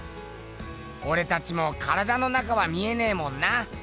おれたちも体の中は見えねぇもんな。